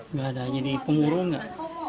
nggak ada jadi penguru nggak